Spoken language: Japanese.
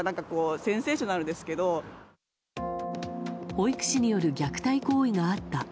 保育士による虐待行為があった。